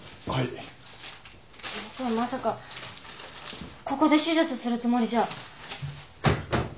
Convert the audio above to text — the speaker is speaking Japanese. まさかここで手術するつもりじゃ？